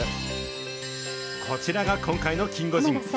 こちらが今回のキンゴジン。